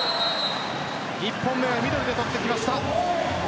１本目はミドルで取ってきました。